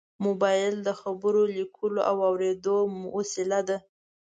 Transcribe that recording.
موبایل د خبرو، لیکلو او اورېدو وسیله ده.